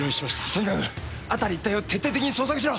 とにかく辺り一帯を徹底的に捜索しろ。